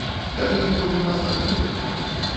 Тады яго не пазнаць было.